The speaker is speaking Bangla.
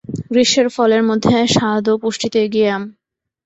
গ্রীষ্মের ফলের মধ্যে স্বাদ ও পুষ্টিতে এগিয়ে আম।